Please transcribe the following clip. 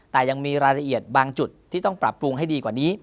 แต่ยังมีรายละเอียดบางจุดที่ต้องปรับปรุงให้ดีกว่านี้